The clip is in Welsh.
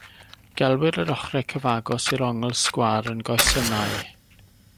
Gelwir yr ochrau cyfagos i'r ongl sgwâr yn goesynnau.